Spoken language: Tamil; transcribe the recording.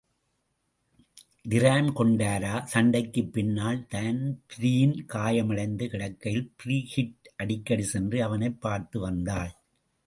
டிரம் கொண்டரா சண்டைக்குப்பின்னால் தான்பிரீன் காயமடைந்து கிடக்கையில் பிரிகிட் அடிக்கடி சென்று அவனைப் பார்த்துவந்தாள்.